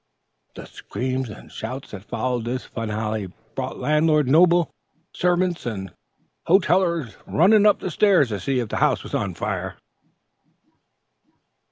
_" The screams and shouts that followed this finale brought landlord Noble, servants and hostlers running up stairs to see if the house was on fire!